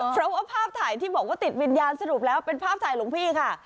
เพราะว่าภาพถ่ายที่บอกว่าติดวิญญาณสรุปแล้วเป็นภาพถ่ายหลวงพี่ค่ะ